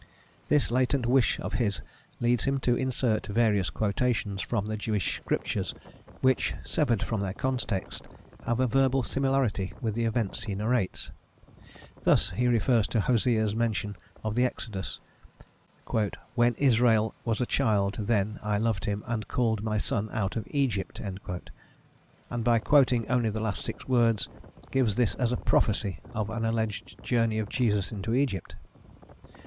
This latent wish of his leads him to insert various quotations from the Jewish Scriptures which, severed from their context, have a verbal similarity with the events he narrates. Thus, he refers to Hosea's mention of the Exodus: "When Israel was a child then I loved him and called my son out of Egypt," and by quoting only the last six words gives this as a "prophecy" of an alleged journey of Jesus into Egypt.